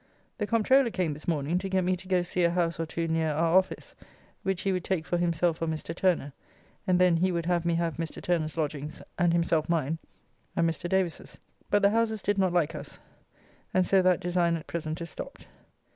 The Comptroller came this morning to get me to go see a house or two near our office, which he would take for himself or Mr. Turner, and then he would have me have Mr. Turner's lodgings and himself mine and Mr. Davis's. But the houses did not like us, and so that design at present is stopped.